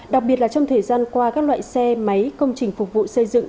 đặc biệt là trong thời gian qua các loại xe máy công trình phục vụ xây dựng